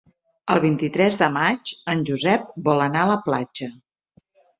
El vint-i-tres de maig en Josep vol anar a la platja.